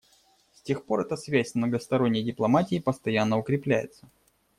С тех пор эта связь с многосторонней дипломатией постоянно укрепляется.